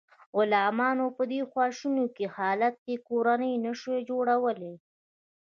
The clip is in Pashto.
غلامانو په دې خواشینونکي حالت کې کورنۍ نشوای جوړولی.